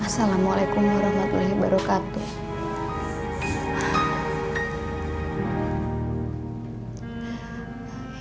assalamualaikum warahmatullahi wabarakatuh